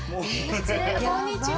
こんにちは。